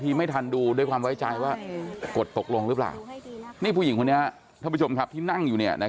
ค่ะด้วยความที่คงไว้ใจกัน